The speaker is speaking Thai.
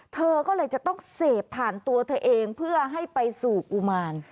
เธอก็เลยจะต้องเสพผ่านตัวเธอเองเพื่อให้ไปสู่กุมาร